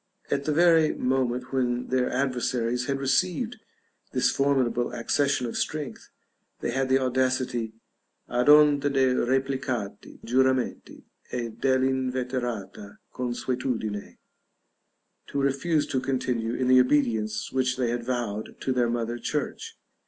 At the very moment when their adversaries had received this formidable accession of strength, they had the audacity "ad onta de' replicati giuramenti, e dell'inveterata consuetudine," to refuse to continue in the obedience which they had vowed to their mother church.